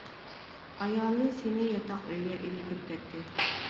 ئايالى سېنى ياتاق ئۆيگە ئېلىپ كىرىپ كەتتى.